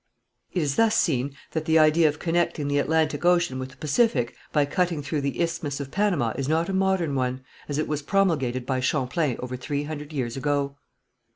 It is thus seen that the idea of connecting the Atlantic ocean with the Pacific by cutting through the Isthmus of Panama is not a modern one, as it was promulgated by Champlain over three hundred years ago.